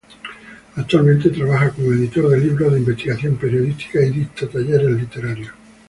Actualmente trabaja como editor de libros de investigación periodística y dicta talleres literarios.